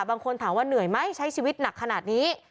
บางคนถามว่าเหนื่อยไหมใช้ชีวิตหนักขนาดนี้